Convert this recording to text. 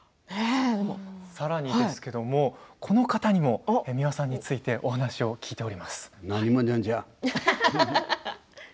さらにこの方にも美輪さんについてお話を聞いております。